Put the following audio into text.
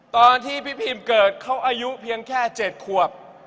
ตอนที่พี่พิมเกิดเขาอายุเพียงแค่๗ขวบ